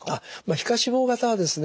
皮下脂肪型はですね